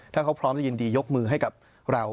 ถ้าเขาพร้อมจะยินดียกมือให้กับเรา